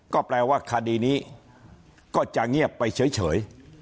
ก็แปลว่าคดีนี้ก็จะเงียบไปเฉย